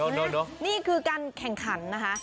โอ้โฮนี่คือการแข่งขันนะฮะ